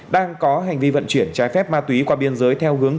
đang có hành vi vận chuyển trái phép ma túy qua biên giới theo hướng